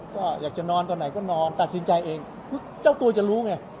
ก็อยากจะนอนตอนไหนก็นอนตัดสินใจเองคือเจ้าตัวจะรู้ไง